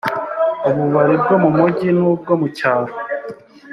ububari bwo mumujyi n ubwo mu cyaro